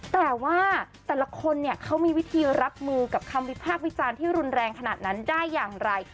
แต่ว่าแต่ละคนเนี่ยเขามีวิธีรับมือกับคำวิพากษ์วิจารณ์ที่รุนแรงขนาดนั้นได้อย่างไร